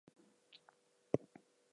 She was named for Isaac Hull.